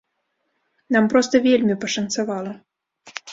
Нам проста вельмі пашанцавала.